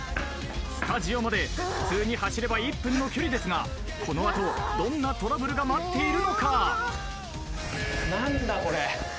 スタジオまで普通に走れば１分の距離ですがこの後どんなトラブルが待っているのか？